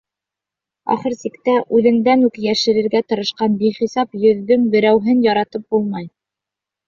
Ахыр сиктә, үҙеңдән үк йәшерергә тырышҡан бихисап йөҙҙөң берәүһен яратып булмай.